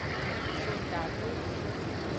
Ng so tado.